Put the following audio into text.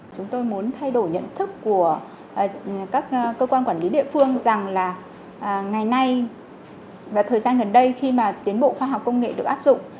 chúng tôi muốn thay đổi nhận thức của các cơ quan quản lý địa phương rằng là ngày nay và thời gian gần đây khi mà tiến bộ khoa học công nghệ được áp dụng